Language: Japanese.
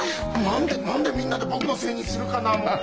なんでなんでみんなで僕のせいにするかなもう。